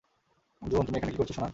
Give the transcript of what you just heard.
June, তুমি এখানে কী করছ, সোনা?